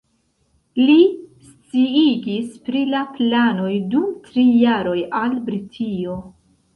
Li sciigis pri la planoj dum tri jaroj al Britio.